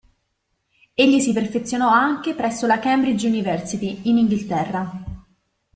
Egli si perfezionò anche presso la Cambridge University in Inghilterra.